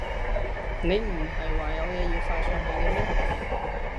你唔喺話有嘢要發上去嘅咩？